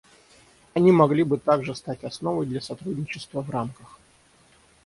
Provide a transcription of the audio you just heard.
Они могли бы также стать основой для сотрудничества в рамках.